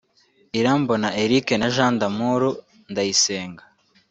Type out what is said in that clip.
Irambona Eric na Jean D’Amour Ndayisenga